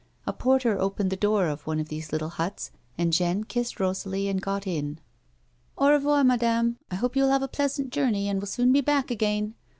A porter opened the door of one of these little huts, and Jeanne kissed Eosalie and got in. " Au revoir," madame. I hope you will have a pleasant journey, and will soon be back again."